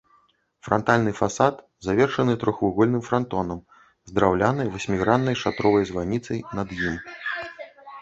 Франтальны фасад завершаны трохвугольным франтонам з драўлянай васьміграннай шатровай званіцай над ім.